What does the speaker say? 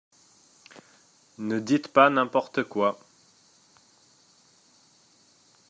Ne dites pas n’importe quoi.